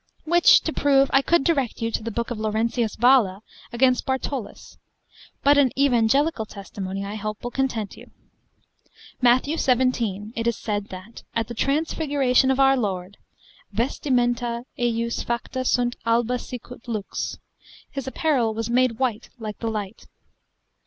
Which to prove, I could direct you to the book of Laurentius Valla against Bartolus; but an evangelical testimony I hope will content you. Matth. 17 it is said that, at the transfiguration of our Lord, Vestimenta ejus facta sunt alba sicut lux, his apparel was made white like the light.